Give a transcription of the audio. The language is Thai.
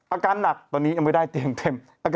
อาการหนักตอนนี้ยังไม่ได้เตียงเต็ม